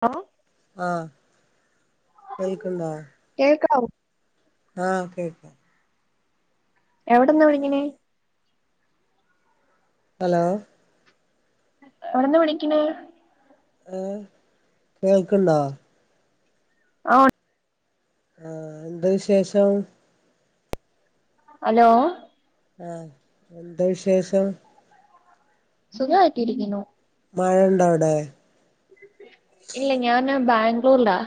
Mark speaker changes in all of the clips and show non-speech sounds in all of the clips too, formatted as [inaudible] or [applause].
Speaker 1: ഓ
Speaker 2: ആഹ് കേൾക്ക്ണ്ടോ
Speaker 1: കേൾക്കാവു
Speaker 2: ആഹ് കേക്കാം
Speaker 1: എവിടെന്നാ വിളിക്കണെ
Speaker 2: ഹലോ
Speaker 1: എവിടെന്നാ വിളിക്കണേ
Speaker 2: ഏഹ് കേൾക്ക്ണ്ടോ
Speaker 1: ആഹ്
Speaker 2: ആഹ് എന്ത വിശേഷം
Speaker 1: ഹലോ
Speaker 2: ആഹ് എന്താ വിശേഷം
Speaker 1: സുഖായിട്ടിരിക്ണു
Speaker 2: മഴ ഉണ്ടോ അവിടെ
Speaker 1: ഇല്ല ഞാൻ ബാംഗ്ലൂരിലാ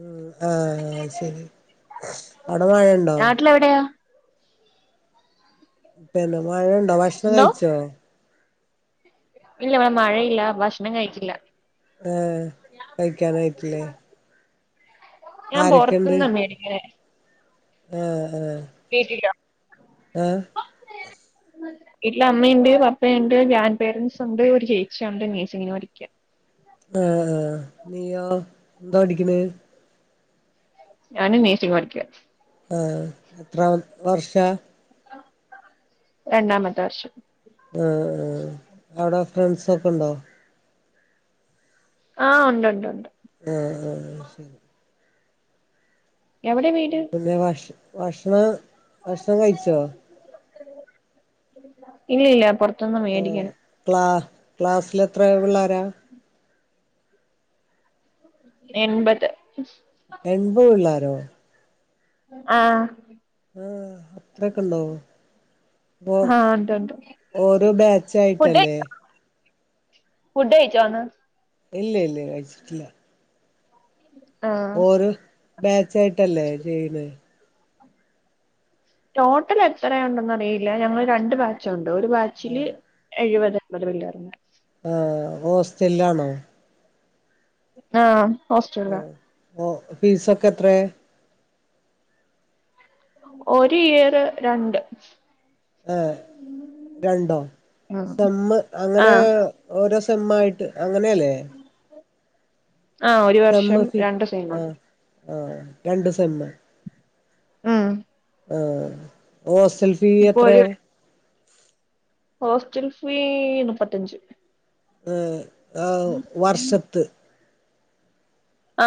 Speaker 2: ഉം ആഹ് ശരി അവിടെ മഴയുണ്ടോ
Speaker 1: ങ്ങളെവിടെയ
Speaker 2: പിന്നെ മഴയുണ്ടോ ഭക്ഷണം
Speaker 1: എന്തോ
Speaker 2: കഴിച്ചോ?
Speaker 1: ഇല്ല ഇവിടെ മഴയില്ല ഭക്ഷണം കഴിച്ചില്ല
Speaker 2: ഏയ് കഴിക്കാനായിട്ടില്ലേ
Speaker 1: ഞാൻ
Speaker 2: ആരൊക്കെണ്ട്
Speaker 1: പൊറത്തുന്ന മേടിക്കണെ
Speaker 2: ആഹ് ആഹ്
Speaker 1: കേട്ടില്ല
Speaker 2: ആ
Speaker 1: വീട്ടില് അമ്മണ്ട് പപ്പണ്ട് ഗ്രാൻഡ് പേരന്റ്സുണ്ട് ഒരു ചേച്ചി ഉണ്ട് നഴ്സിങ്ങിന് പടിക്ക
Speaker 2: ആ നീയോ എന്താ പടിക്ക്ണത്
Speaker 1: ഞാനും നഴ്സിങ് പഠിക്കാ
Speaker 2: ആ എത്ര വർഷ
Speaker 1: രണ്ടാമത്തെ വർഷം
Speaker 2: ആ അവടെ ഫ്രണ്ട്സൊക്കെ ണ്ടോ
Speaker 1: ആ ഉണ്ട് ണ്ട് ണ്ട്
Speaker 2: ആ ആ അത് ശെരി
Speaker 1: എവിടെ വീട്
Speaker 2: പിന്നെ ഭഷ ഭക്ഷണം ഭക്ഷണം കയ്ച്ചോ
Speaker 1: ഇല്ല ല്ല പൊർ
Speaker 2: ഏ ക്ലാ ക്ലാസിലെത്ര പിള്ളേര
Speaker 1: എൺപത്
Speaker 2: എൺപത് പിള്ളാരോ
Speaker 1: ആ
Speaker 2: ആ അത്രൊക്കെണ്ടോ ഇപ്പോ
Speaker 1: ആ ഉണ്ട് ഉണ്ട്
Speaker 2: ഓരോ
Speaker 1: ഫുഡ്
Speaker 2: ബാച്ചായിട്ടല്ലേ
Speaker 1: ഫുഡ് കഴിച്ചോന്ന്
Speaker 2: ഇല്ല ല്ല കഴിച്ചിട്ടില്ല
Speaker 1: ആ
Speaker 2: ബാച്ചായിട്ടല്ലേ ചെയ്യ്ന്നത്
Speaker 1: ടോട്ടലെത്ര ഉണ്ടന്നറിയില്ല ഞങ്ങള് രണ്ട് ബാച്ചൊണ്ട് ഒരു ബാച്ചില്
Speaker 2: ആഹ്
Speaker 1: എഴുപത് [unintelligible]
Speaker 2: ആ അത് ഹോസ്റ്റല്ലാണോ
Speaker 1: ആ ഹോസ്റ്റല്ല
Speaker 2: ആഹ് ഓ ഫീസൊക്കെത്രെ
Speaker 1: ഒരിയറ് രണ്ട്
Speaker 2: ആ രണ്ടോ
Speaker 1: ആഹ്
Speaker 2: സെമ്മ് അങ്ങനെ
Speaker 1: ആഹ്
Speaker 2: ഓരോ സെമ്മായിട്ട് അങ്ങനല്ലേ
Speaker 1: ആ ഒരു വർഷം രണ്ട് സെമ്മ്
Speaker 2: ആ രണ്ട് സെമ്മ്
Speaker 1: ആ
Speaker 2: ആ ഹോസ്റ്റൽഫീ
Speaker 1: ഇപ്പൊ
Speaker 2: എത്രെ
Speaker 1: ഒരു ഹോസ്റ്റൽ ഫീ നുപ്പത്തഞ്ച്
Speaker 2: ഏ ആ വർഷത്ത്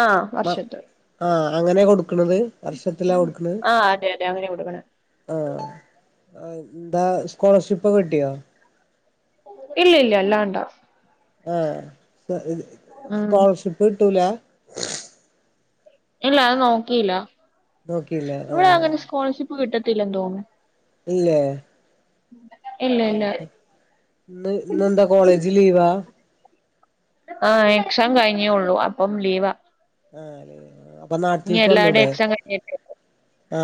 Speaker 1: ആ വർഷത്ത്
Speaker 2: ആ അങ്ങനെ കൊട്ക്ക്ണത് വർഷത്തിലാ കൊട്ക്ക്ണെ
Speaker 1: ആഹ് അതെ അതെ അങ്ങനെ കൊടുക്കണെ
Speaker 2: ആ ന്താ സ്കോളർഷിപ്പും കിട്ട്യോ
Speaker 1: ഇല്ലില്ല അല്ലാണ്ടാ
Speaker 2: ആ
Speaker 1: ഉം
Speaker 2: സ്കോളർഷിപ്പ് കിട്ടൂലാ
Speaker 1: ഇല്ല അത് നോക്കില്ല
Speaker 2: നോക്കിയില്ല ആഹ്
Speaker 1: ഇവിടങ്ങനെ സ്കോളർഷിപ്പ് കിട്ടത്തില്ലെന്ന് തോന്നുന്നു
Speaker 2: ഇല്ലേ
Speaker 1: ഇല്ല
Speaker 2: ഉം
Speaker 1: ഇല്ല
Speaker 2: ന്ന് ഇന്നെന്താ കോളേജ് ലീവാ
Speaker 1: ആ എക്സാം കഴിഞ്ഞേള്ളൂ അപ്പം ലീവാ
Speaker 2: ആ അപ്പൊ
Speaker 1: ഇനി
Speaker 2: നാട്ടിലേക്ക്
Speaker 1: എല്ലാവരുടെയും
Speaker 2: വന്നൂടെ
Speaker 1: എക്സാം
Speaker 2: ആ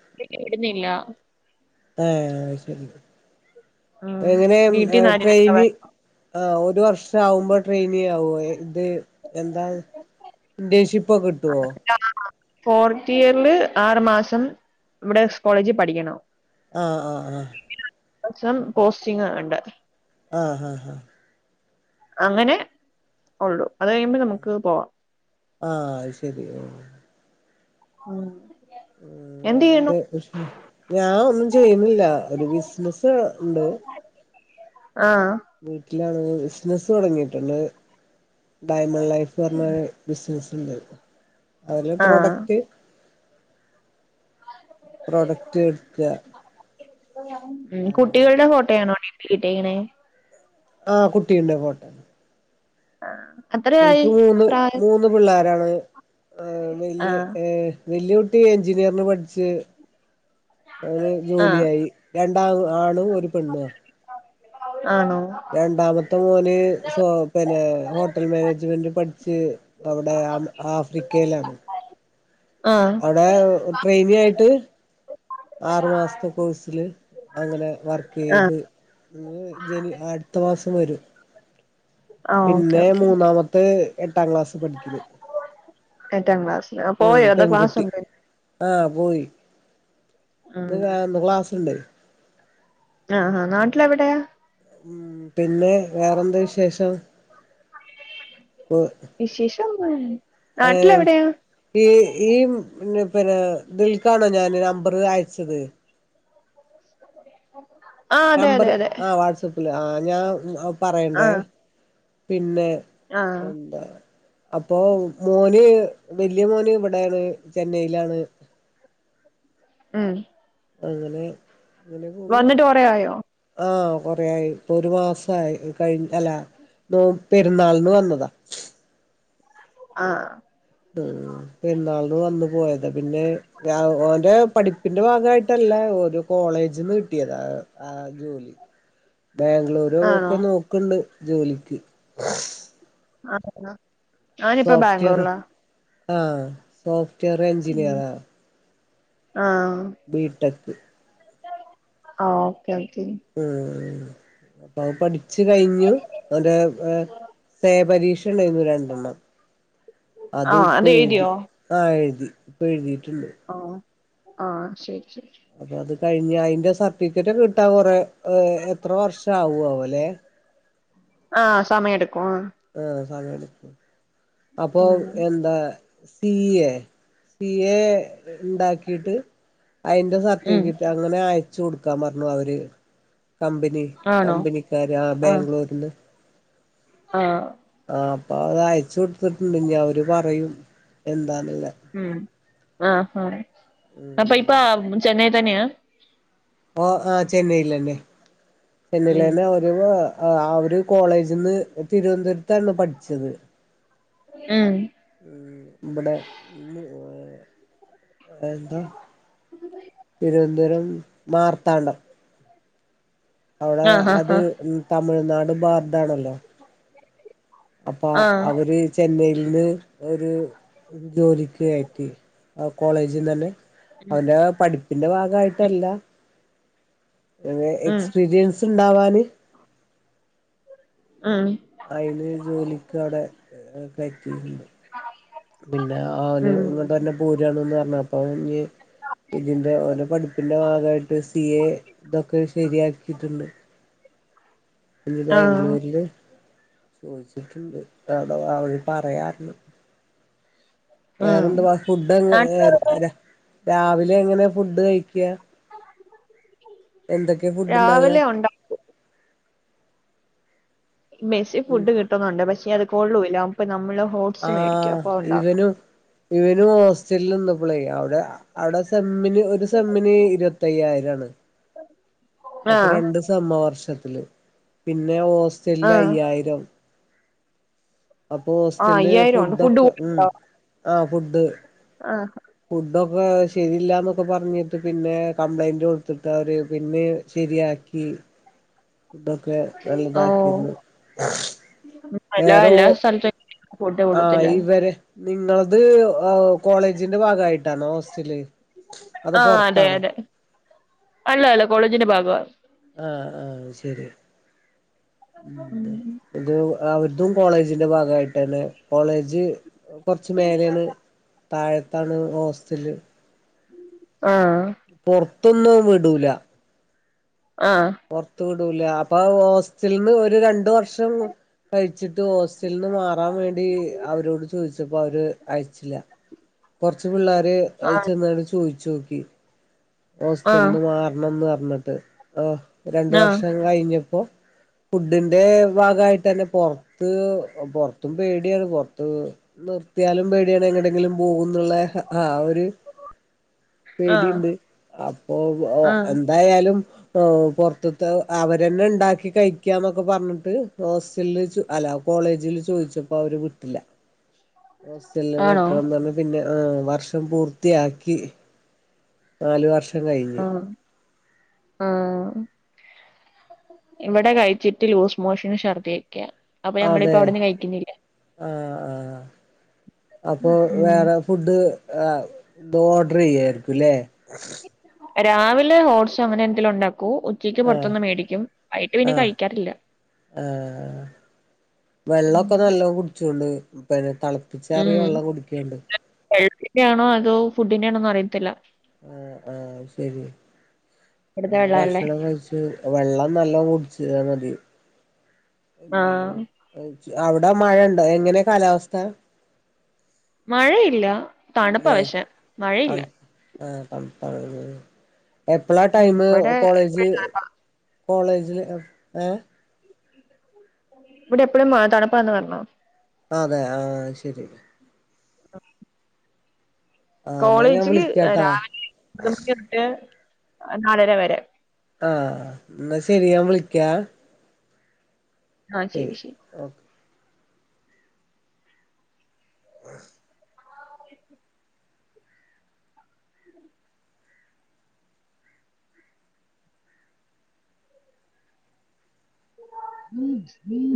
Speaker 1: ഇല്ല വിടുന്നില്ല
Speaker 2: ആ അത് ശെരി
Speaker 1: ഉം
Speaker 2: എങ്ങനേ
Speaker 1: വീട്ടീന്ന് ആരൂല്ല
Speaker 2: ട്രെയിന് ആ ഒരു വർഷാവുമ്പോ ട്രെയിനി ആവോ ഇത് എന്താത് ന്റൻഷിപ്പൊ കിട്ടൊ
Speaker 1: ആ ഫോർത്ത് യർല് ആറ് മാസം ഇവടെ സ് കോളേജി പഠിക്കണം
Speaker 2: ആഹ് ആഹ് ആഹ്
Speaker 1: ഈ വർഷം പോസ്റ്റിങ ഉണ്ട്
Speaker 2: ആഹ് ഹ ഹ
Speaker 1: അങ്ങനെ ഒള്ളു അത് കഴിയുമ്പം നമുക്ക് പോവാം
Speaker 2: ആഹ് അത് ശരി
Speaker 1: ഉം
Speaker 2: ഉ
Speaker 1: എന്ത്
Speaker 2: വേറെന്ത
Speaker 1: ചെയ്യണു
Speaker 2: ഞാൻ ഒന്നും ചെയ്യുന്നില്ല ഒരു ബിസിനസ് ഉണ്ട്
Speaker 1: ആഹ്
Speaker 2: വീട്ടിലാണ് ബിസിനസ്സ് തൊടങ്ങിട്ടുണ്ട് ഡയമണ്ട് ലൈഫ് പറഞ്ഞ ബിസിനസ് ഉണ്ട് അതില്
Speaker 1: ആഹ്
Speaker 2: പ്രൊഡക്റ്റ് പ്രോഡക്റ്റ് എടുക്ക്അ
Speaker 1: ഉം കുട്ടികളുടെ ഫോട്ടോയാണോ ഡീപ്പീലിട്ടേക്കണേ?
Speaker 2: ആ കുട്ടികള്ടെ ഫോട്ടോ
Speaker 1: ആഹ് അത്രയായി
Speaker 2: എനിക്ക് മൂന്ന്
Speaker 1: പ്രായം
Speaker 2: മൂന്ന് പിള്ളേരാണ് വല്യ
Speaker 1: ആഹ്
Speaker 2: ഏ ഹ് വെല്ല്യ കുട്ടി എഞ്ചിനീയറിന് പഠിച്ച് അവന്
Speaker 1: ആഹ്
Speaker 2: ജോലിയായി രണ്ടാ ആണ് ഒരു പെണ്ണുഅ
Speaker 1: ആണോ?
Speaker 2: രണ്ടാമത്തെ മോന് സോ പിന്നെ ഹോട്ടൽ മാനേജ്മെന്റ് പഠിച്ച് അവിടെ ആഫ്രിക്കേലാണ്
Speaker 1: ആഹ്
Speaker 2: അവിടെ ട്രെയിനി ആയിട്ട് ആറു മാസത്തെ കോഴ്സില് അങ്ങനെ വർക്ക് ചെയ്ത് അ ജനു അടുത്ത മാസം വരും
Speaker 1: ആഹ് ഓക്കെ
Speaker 2: പിന്നെ
Speaker 1: ഓക്കെ
Speaker 2: മൂന്നാമത്തെ എട്ടാം ക്ലാസി പഠിക്കിന്ന്
Speaker 1: എട്ടാം ക്ലാസ്സില്
Speaker 2: ഉം
Speaker 1: പോയോ അതോ ക്ലാസ്
Speaker 2: പെൺകുട്ടി
Speaker 1: ഉണ്ടോ
Speaker 2: ആഹ് പോയി
Speaker 1: ഉം
Speaker 2: ആ ഇന്ന് ക്‌ളാസുണ്ട്
Speaker 1: ആഹ് ആ നാട്ടിലെവിടെയാ?
Speaker 2: ഉം പിന്നെ വേറെന്ത വിശേഷം?
Speaker 1: [inaudible]
Speaker 2: ഊം
Speaker 1: വിശേഷം ഒന്നൂല്ല
Speaker 2: ഏഹ് ഈ ഈ പിന്നെ ദിൽക്കാണോ ഞാൻ നമ്പറ് അയച്ചത്
Speaker 1: ആ അതെ അതെ അതെ
Speaker 2: ആ് ഞാൻ പറയണ്ടേ
Speaker 1: ആഹ്
Speaker 2: പിന്നെ
Speaker 1: ആഹ്
Speaker 2: എന്താ അപ്പോ മോന് വല്യേ മോന് ഇവിടേണ് ചെന്നൈയിലാണ്
Speaker 1: ഊം
Speaker 2: അങ്ങനെ അങ്ങനെ പോണു
Speaker 1: വന്നിട്ട് കൊറേ ആയോ
Speaker 2: ആ കൊറേയി ഇപ്പൊ ഒരു മാസായി കഴി അല്ല മോ പെരുന്നാൾന് വന്നതാ
Speaker 1: ആആ
Speaker 2: ഊം പെരുന്നാൾന് വന്ന് പോയത് പിന്നെ ഓന്റെ പഠിപ്പിന്റെ ഭാഗായിട്ടല്ല ഓരോ കോളേജ്ന്ന് കിട്ടിയതാ ആ ജോലി ബാംഗ്ലൂരു
Speaker 1: ആണോ
Speaker 2: ഒക്കെ നോക്കണ്ട് ജോലിക്ക്
Speaker 1: ആ
Speaker 2: സോഫ്റ്റ്വെയർ ആഹ സോഫ്റ്റ്വെയർ എഞ്ചിനിയറാ
Speaker 1: ആഹ
Speaker 2: ബീടെക്
Speaker 1: ആ ഓക്കെ ഓക്കെ
Speaker 2: ഉംഊം അപ്പൊ അവ പഠിച്ചു കഴിഞ്ഞു അവ സേ പരീക്ഷ ഉണ്ടായിരുന്നു രണ്ട്
Speaker 1: ആഹ് അത്
Speaker 2: അത്പ്പെഴ്തി
Speaker 1: എഴുതിയോ
Speaker 2: ആ എഴുതി ഇപ്പ എഴുതീട്ട്ണ്ട്
Speaker 1: ആ ആ ശരി ശരി
Speaker 2: അപ്പൊ അത് കഴിഞ് അയിന്റെ സർട്ടിക്കറ്റ്ക്കെ കിട്ടാ കൊറേ എത്ര വർഷം ആവുവല്ലെ
Speaker 1: ആ സമയം ഇടുക്കും
Speaker 2: ആഹ സമയെട്ക്കും അപ്പൊ
Speaker 1: ഉം
Speaker 2: എന്ത സി എ സി എ ഇണ്ടാക്കിട്ട് അതിന്റെ
Speaker 1: ഉം
Speaker 2: സർട്ടിഫിക്കററ്റാൾ ങ്ങനെ അയച്ചു കൊടുക്കാപറഞ്ഞു അവര് കമ്പനി
Speaker 1: ആണോ
Speaker 2: കമ്പനിക്കാര് ആ
Speaker 1: ആഹ്
Speaker 2: ബാംഗ്ലൂർന്ന്
Speaker 1: ആഹ്
Speaker 2: ആ അപ്പൊ അത് അയചൊട്ത്തിട്ടുണ്ട് ഞ്ഞി അവര് പറയും എന്താന്ന്ള്ളേ
Speaker 1: ഉം ആഹഹ അപ്പൊ ഇപ്പ ചെന്നൈ തന്നെയാ
Speaker 2: ഓ ആ ചെന്നൈലെന്നെ
Speaker 1: ഉം
Speaker 2: ചെന്നൈൽന്നെ ആ ഒരു കോളേജ്ന്ന് തിരുവന്തുര്ത്താണ് പഠിച്ചത്
Speaker 1: ആഹ്
Speaker 2: ഊം ബടെ എന്താ തിരുവന്തുരം മാർത്താണ്ഡം അവടെ
Speaker 1: ആഹ്
Speaker 2: അത്
Speaker 1: ആഹ്
Speaker 2: തമിഴ്നാട് ബാതാണല്ലോ അപ്പൊ
Speaker 1: ആഹ് ആഹ്
Speaker 2: അവര് ചെന്നൈല്ന്ന് ഒരു ജോലിക്ക് കയറ്റി ആ കോളേജിൽന്ന് തന്നെ അവന്റെ പഠിപ്പിന്റെ ഭാഗായിട്ടല്ല
Speaker 1: ഉം
Speaker 2: എക്സ്പീരിയൻസ്. ണ്ടാവാന്.
Speaker 1: ആഹ്
Speaker 2: അയിന് ജോലിക്ക് അവ്ടെ കയറ്റിയിട്ടുണ്ട് പിന്നെ ഓന്
Speaker 1: ഉം
Speaker 2: ഇങ്ങട്ടന്നെ പോരാണ്ന്നർഞപ്പോ ങ് ഇതിന്റെറെ ഓന്റെ പഠിപ്പിന്റെ ഭാഗയിട്ട് സി എ ഇതൊക്കെ ശരിയാക്കിയിട്ടുണ്ട്. ഇനി
Speaker 1: ആഹ്
Speaker 2: ബാംഗ്ലൂരില് ചോദിച്ചിട്ടുണ്ട്. അവിട അ പറയാറ
Speaker 1: ഉം
Speaker 2: വേറെന്തവാ ഫുഡ്
Speaker 1: നാട്ടിലവിടെ
Speaker 2: രാവിലെ എങ്ങനെ ഫുഡ് കഴിക്ക എന്തൊക്കെ ഫുഡ് ഇണ്ടാവ
Speaker 1: രാവിലെ ഉണ്ടാ മെസ്സി ഫുഡ് കിട്ടുന്നുണ്ട് പക്ഷേ അത് കൊള്ളൂല്ല അപ്പ നമ്മള് ഹോട്ടസ് മേടിക്കും
Speaker 2: ആഹ്
Speaker 1: അപ്പൊ ഉണ്ടാക്കും.
Speaker 2: ഇവനും ഇവനും ഹോസ്റ്റലിൽ നിന്നപ്പോളേ. അവിടെ അവിടെ സെമ്മിന് ഇത് സമ്മിന് ഇരുപത്തയ്യായിരാണ്. അപ്പൊ
Speaker 1: ആഹ്
Speaker 2: രണ്ട് സമവർഷത്തില് പിന്നെ ഹോസ്റ്റലില്
Speaker 1: ആഹ്
Speaker 2: അയ്യായിരം. അപ്പൊ
Speaker 1: ആഹ്
Speaker 2: ഹോസ്റ്റലില്
Speaker 1: അയ്യായിരം ഉണ്ട് ഫുഡ്
Speaker 2: ഫുഡൊക്കെ
Speaker 1: കൂടെ
Speaker 2: ഉ
Speaker 1: ഉണ്ടോ
Speaker 2: ആഹ ഫുഡ്
Speaker 1: ആഹ്
Speaker 2: ഫുഡൊക്കെ ശരില്ലന്നൊക്കെ പറഞ്ഞിട്ട് പിന്നെ കംപ്ലൈന്റ് കൊടുത്തിട്ട് അവര് പിന്നെ ശരിയാക്കി.
Speaker 1: [inaudible]
Speaker 2: ഫുഡോക്കെ
Speaker 1: ഓ
Speaker 2: നല്ലതാക്കിന്ന്
Speaker 1: എല്ലാ
Speaker 2: വേറെോ
Speaker 1: എല്ലാ സ്ഥലത്തും ഫുഡ്
Speaker 2: ആഹ്
Speaker 1: കൊള്ളത്തില്ല
Speaker 2: ഇവരെ നിങ്ങളത് കോളേജിന്റെ ഭാഗമായിട്ടാണോ ഹോസ്റ്റല്? അതോ
Speaker 1: ആ അതെ
Speaker 2: പൊറത്താണോ
Speaker 1: അതെ അള്ള അല്ല കോളേജിന്റെ ഭാഗമാണ്.
Speaker 2: ആഹ് ആഹ് ശരി ഉ ഇത് അവർതും കോളേജിന്റെ ഭാഗമായിട്ട് തന്നെ കോളേജ് കുറച്ച് മേലെയാണ് താഴത്താണ് ഹോസ്റ്റല്.
Speaker 1: ആഹ്
Speaker 2: പുറത്തൊന്നും വിടൂല.
Speaker 1: ആഹ്
Speaker 2: പുറത്തു വിടൂല അപ്പൊ ഹോസ്റ്റലന്ന് ഒരു രണ്ട വർഷം കഴിച്ചിട്ട് ഹോസ്റ്റലന്ന് മാറാൻ വേണ്ടി അവരോട് ചോദിച്ചപ്പോ അവര് അയച്ചില്ല. കൊറച്ചു പിള്ളോര്ത്
Speaker 1: ആ
Speaker 2: ചെന്നട്ട് ചോയിചോക്കി.
Speaker 1: ആ
Speaker 2: ഹോസ്റ്റലന്ന്
Speaker 1: ആ
Speaker 2: മാറണംന്ന് പറഞ്ഞിട്ട് ആഹ് രണ്ട വർഷം കഴിഞ്ഞപ്പോ ഫുഡിന്റെ ഭാഗമായിട്ട് തന്നെ പൊറത്ത് പുറത്തും പേടിയാണ് പുറത്ത് നിർത്തിയാലും പേടിയാണ് എങ്ങടെങ്കിലും പോകുന്നുള്ള ആഹ് ഒരു
Speaker 1: ആ
Speaker 2: പേടിയുണ്ട് അപ്പൊ
Speaker 1: ആ
Speaker 2: എന്തായാലും പുറത്തത്തെ അവരന്നെ ഉണ്ടാക്കി കഴിക്കാന്നൊക്കെ പറഞ്ഞിട്ട് ഹോസ്റ്റലില് അല കോളേജിൽ ചോദിച്ചപ്പോൾ അവര് വീട്ടില്ല.
Speaker 1: ഉ [inaudible]
Speaker 2: ഹോസ്റ്റല നിൽക്കണന്ന് പറഞ്ഞ പിന്നെ ആഹ് വർഷം പൂർത്തിയാക്കി നാലു വർഷം കഴിഞ്ഞ്.
Speaker 1: ആഹ് ഇവിടെ കഴിച്ചിട്ട് ലൂസ് മോഷൻ ശർദിക്കെയ അപ്പൊ ഞമ്മളിപ്പോ
Speaker 2: അതെ
Speaker 1: അവിടന്ന് കഴിക്കുന്നില്ല.
Speaker 2: ആഹ് ആഹ് അപ്പൊ
Speaker 1: ഉം
Speaker 2: വേറെ ഫുഡ് ആഹ് ചെയുവരിക്കും അല്ല
Speaker 1: രാവിലെ ഓട്സ് അങ്ങനെ എന്തെങ്കിലും ഉണ്ടാക്കോ ഉച്ചയ്ക്ക്
Speaker 2: ആഹ്
Speaker 1: പുറത്തൊന്നും മേടിക്കും വയ്യിട്ട് പിന്നേ
Speaker 2: ആഹ്
Speaker 1: കഴിക്കാറില്ല.
Speaker 2: ആഹ് വെള്ളക്കെ നല്ലോണം കുടിച്ചൊണ്ട് തള പ്പിച്ചറിയ വെള്ളം കുടിക്കുയുണ്ട്.
Speaker 1: ഹെൽത്തിന്റെ ആണോ അതോ ഫുഡിന്റെ ആണോ അറിയത്തില്ല.
Speaker 2: ആഹ് ആഹ് ശരി
Speaker 1: ഇവിടുത്തെ
Speaker 2: നല്ല
Speaker 1: വെള്ളല്ലേ
Speaker 2: ഭക്ഷണം കഴിച്ചു ച്ചിട് വെള്ളം നല്ല കുടിച്ചൽ മതി.
Speaker 1: ആ
Speaker 2: അവിടെ മഴണ്ടോ എങ്ങനെ കാലാവസ്ഥ?
Speaker 1: മഴയില്ല. തണുപ്പാ പക്ഷെ മഴയില്ല
Speaker 2: ആഹ് ആഹ് [unintelligible] എപ്പഴാ
Speaker 1: ഉം
Speaker 2: ടൈമ്
Speaker 1: ഇവിടെ
Speaker 2: കോളേജ്
Speaker 1: എപ്പഴും തണുപ്പാ
Speaker 2: കോളേജില് ഏഹ്
Speaker 1: ഇവിടെ എപ്പോഴും തണുപാന്ന് പറഞ്ഞോ?
Speaker 2: അതെ ആഹ് ആഹ് ശരി
Speaker 1: [unintelligible]
Speaker 2: ആ എന്നാ ഞാൻ
Speaker 1: കോളേജില്
Speaker 2: വിളിക്കാട്ടാ
Speaker 1: രാവിലെ ഒമ്ബത് മണി തൊട്ട് നാലര വരെ.
Speaker 2: ആഹ് ന്നാ ശെരിയാ ഞൻ വിളിക്കാ.
Speaker 1: ആഹ് ശരി ശരി
Speaker 2: ഒക്ക
Speaker 1: ഉം ഉം